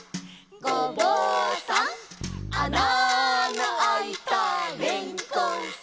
「ごぼうさん」「あなのあいたれんこんさん」